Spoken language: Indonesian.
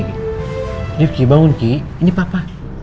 diefky bangun diefky ini papa